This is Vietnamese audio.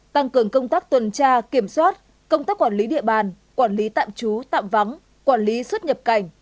tăng cường công tác tuần tra kiểm soát công tác quản lý địa bàn quản lý tạm trú tạm vắng quản lý xuất nhập cảnh